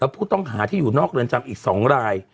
ผู้ต้องหาที่อยู่นอกเรือนจำอีก๒ราย